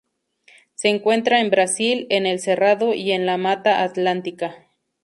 Se encuentra en Brasil en el Cerrado y en la Mata Atlántica.